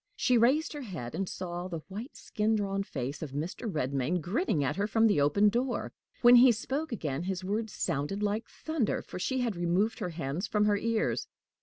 She raised her head, and saw the white, skin drawn face of Mr. Redmain grinning at her from the open door. When he spoke again, his words sounded like thunder, for she had removed her hands from her ears.